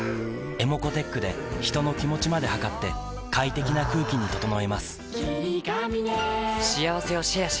ｅｍｏｃｏーｔｅｃｈで人の気持ちまで測って快適な空気に整えます